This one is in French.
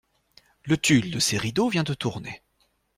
Le tulle de ces rideaux vient de Tournay.